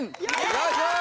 よいしょー！